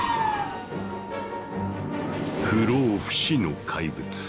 不老不死の怪物。